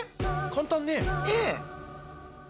簡単ね。ね。